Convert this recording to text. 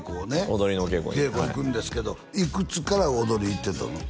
踊りの稽古にはい稽古行くんですけどいくつから踊りに行ってたの？